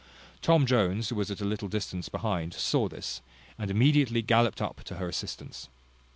Tom Jones, who was at a little distance behind, saw this, and immediately galloped up to her assistance.